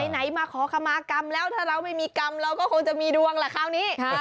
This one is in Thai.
ไหนมาขอคำมากรรมแล้วถ้าเราไม่มีกรรมเราก็คงจะมีดวงแหละคราวนี้